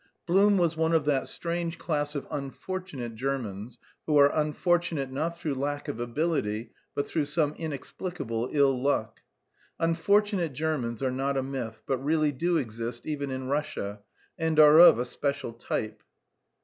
Blum was one of that strange class of "unfortunate" Germans who are unfortunate not through lack of ability but through some inexplicable ill luck. "Unfortunate" Germans are not a myth, but really do exist even in Russia, and are of a special type.